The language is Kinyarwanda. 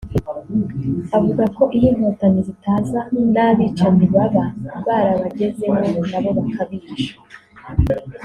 avuga ko iyo Inkotanyi zitaza n’abicanyi baba barabagezeho nabo bakabica